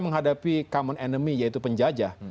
menghadapi common enemy yaitu penjajah